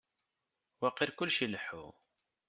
Waqil kullec ileḥḥu.